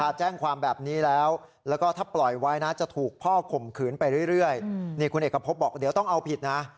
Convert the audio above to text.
แจ้งความแบบนี้แล้วแล้วก็ถ้าปล่อยไว้นะจะถูกพ่อข่มขืนไปเรื่อยนี่คุณเอกพบบอกเดี๋ยวต้องเอาผิดนะ